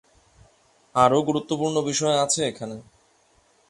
আরো গুরুত্বপূর্ণ বিষয় আছে এখানে।